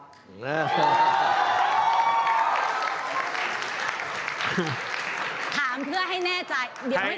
ถ้ามีจับมือผมลาออกจากหัวหน้าพรรค